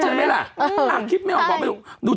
ใช่ไหมล่ะก็นั่งคิดไม่ออกบอกไม่ถูก